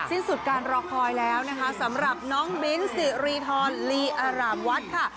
สิ้นสุดการรอคอยแล้วนะคะสำหรับน้องบิ้นสิริธรลีอารามวัดค่ะ